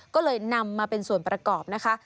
ก็เลยนำมาเป็นส่วนประกอบนะคะ